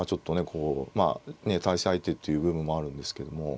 こうまあ対戦相手っていう部分もあるんですけども。